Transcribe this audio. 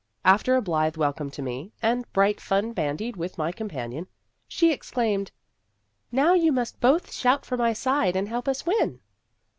After a blithe welcome to me, and bright fun bandied with my companion, she exclaimed, " Now you must both shout for my side, and help us win."